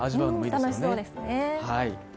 楽しそうですね。